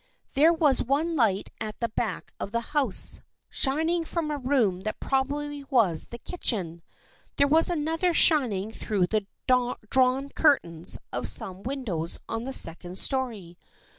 There was one light at the back of the house, shining from a room that probably was the kitchen. There was another shining through the drawn curtains of some windows on the second story.